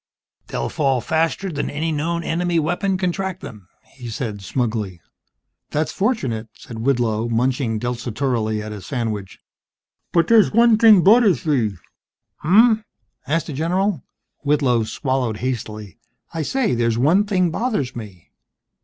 "They'll fall faster than any known enemy weapon can track them," he said, smugly. "That's fortunate," said Whitlow, munching desultorily at his sandwich. "Bud dere's wud thig budduhs bee." "Hmmf?" asked the general. Whitlow swallowed hastily. "I say, there's one thing bothers me."